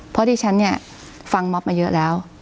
เพราะดิฉันเนี่ยฟังม็อบมาเยอะแล้ว